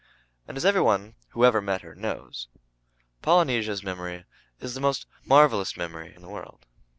And, as every one who ever met her knows, Polynesia's memory is the most marvelous memory in the world.